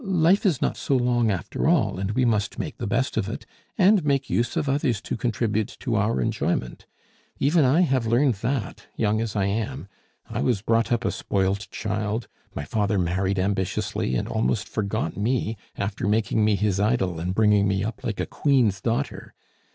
Life is not so long after all, and we must make the best of it, and make use of others to contribute to our enjoyment. Even I have learned that, young as I am. I was brought up a spoilt child, my father married ambitiously, and almost forgot me, after making me his idol and bringing me up like a queen's daughter!